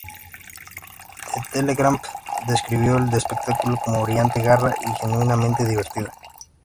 The Telegraph describió el espectáculo como "brillante, garra y genuinamente divertida".